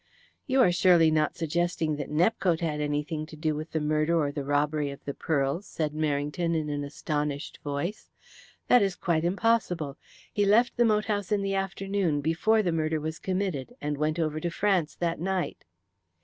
"You are surely not suggesting that Nepcote had anything to do with the murder or the robbery of the pearls?" said Merrington in an astonished voice. "That is quite impossible. He left the moat house in the afternoon before the murder was committed, and went over to France that night."